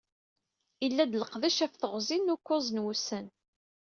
Yella-d leqdic ɣef teɣzi n ukuẓ n wussan.